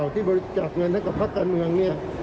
ที่บริจาคเงินให้กับพักการเมือง